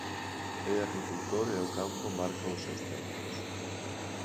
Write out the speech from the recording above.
É agricultor e o campo marca os seus tempos.